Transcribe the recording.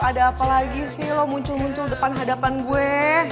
ada apa lagi sih lo muncul muncul depan hadapan gue